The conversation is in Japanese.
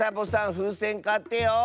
ふうせんかってよ。